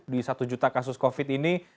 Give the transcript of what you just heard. di satu juta kasus covid ini